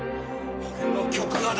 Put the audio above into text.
俺の曲がだ。